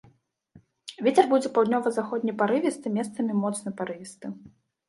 Вецер будзе паўднёва-заходні парывісты, месцамі моцны парывісты.